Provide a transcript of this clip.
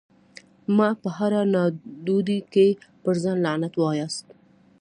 مه په هره نادودي کي پر ځان لعنت واياست